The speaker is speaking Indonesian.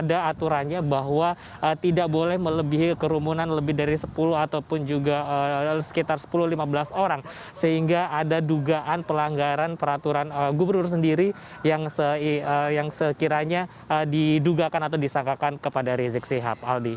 ada aturannya bahwa tidak boleh melebihi kerumunan lebih dari sepuluh ataupun juga sekitar sepuluh lima belas orang sehingga ada dugaan pelanggaran peraturan gubernur sendiri yang sekiranya didugakan atau disangkakan kepada rizik sihab aldi